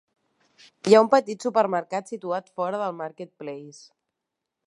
Hi ha un petit supermercat situat fora de Market Place.